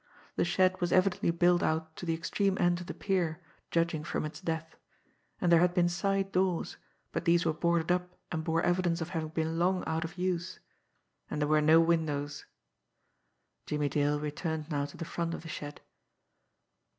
The shed was evidently built out to the extreme end of the pier, judging from its depth; and there had been side doors, but these were boarded up and bore evidence of having been long out of use and there were no windows. Jimmie Dale returned now to the front of the shed.